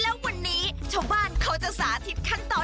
แล้ววันนี้ชาวบ้านเขาจะสาธิตขั้นตอน